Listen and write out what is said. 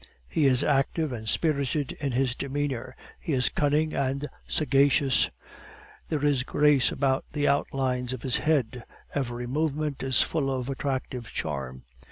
He is active and spirited in his demeanor; he is cunning and sagacious; there is grace about the outlines of his head; every movement is full of attractive charm.